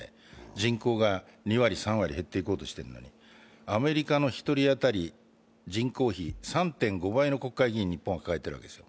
人口が２割、３割、減っていこうとしているのに、アメリカの１人当たり人口比３．５倍の国会議員を日本は抱えているわけですよ。